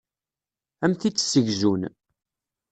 Ad am-t-id-ssegzun.